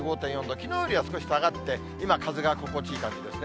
きのうよりは少し下がって、今、風が心地いい感じですね。